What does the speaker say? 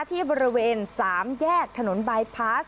ที่บริเวณ๓แยกถนนบายพาส